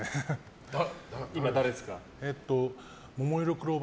今、誰ですか？